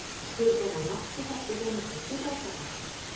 A poor difil mnet pot op with anytUngy Rood or bad.